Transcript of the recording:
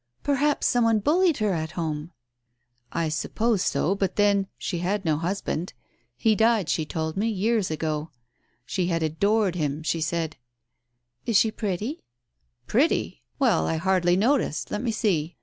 "Perhaps some one bullied her at home." "I suppose so, but then — she had no husband. He died, she told me, years ago. She had adored him, she said " "Is she pretty?" Digitized by LiOO? IC THE PRAYER hi " Pretty ! Well, I hardly noticed. Let me see